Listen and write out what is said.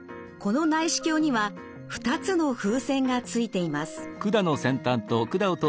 この内視鏡には２つの風船がついています。